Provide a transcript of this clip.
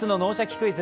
クイズ」